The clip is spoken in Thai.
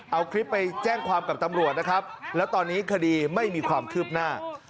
เอาคลิปไปแจ้งความกับตำรวจนะครับแล้วตอนนี้คดีไม่มีความคืบหน้า